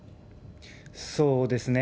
そうですね。